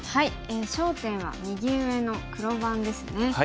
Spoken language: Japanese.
焦点は右上の黒番ですね。